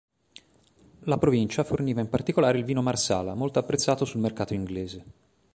La provincia forniva in particolare il vino marsala, molto apprezzato sul mercato inglese.